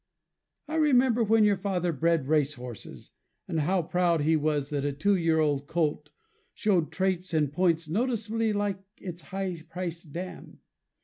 I remember when your father bred race horses, and how proud he was that a two year old colt showed traits and points noticeably like its high priced dam.